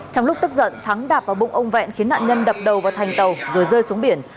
trong lúc tức giận thắng đạp vào bụng ông vẹn khiến nạn nhân đập đầu vào thành tàu rồi rơi xuống biển